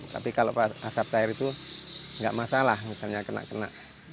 tapi kalau asap cair itu nggak masalah misalnya kena kena